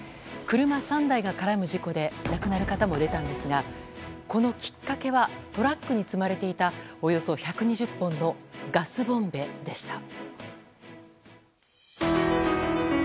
車３台が絡む事故で亡くなる方も出たんですがこのきっかけはトラックに積まれていたおよそ１２０本のガスボンベでした。